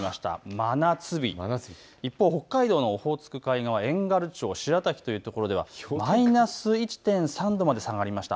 真夏日、一方、北海道のオホーツク海側、遠軽町白滝というところではマイナス１．３度まで下がりました。